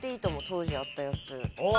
当時あったやつ。